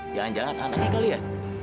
jangan jangan anaknya kali ya